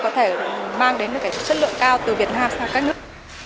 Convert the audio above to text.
có thể mang đến cái chất lượng cao từ việt nam sang các nước